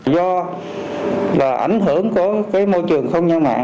do là ảnh hưởng của cái môi trường không gian mạng